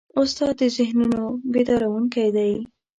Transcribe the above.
استاد د ذهنونو بیدارونکی دی.